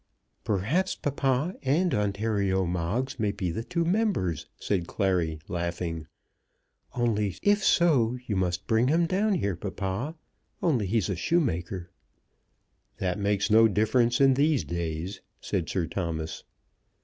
"Perhaps papa and Ontario Moggs may be the two members," said Clary, laughing. "If so, you must bring him down here, papa. Only he's a shoemaker." "That makes no difference in these days," said Sir Thomas.